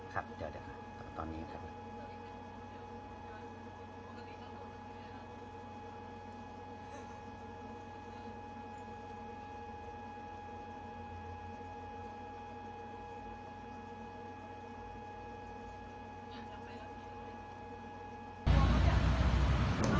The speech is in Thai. ครับเดี๋ยวตอนนี้ครับ